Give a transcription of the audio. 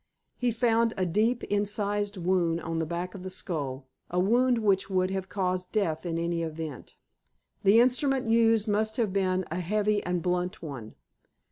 He found a deep, incised wound on the back of the skull, a wound which would have caused death in any event. The instrument used must have been a heavy and blunt one.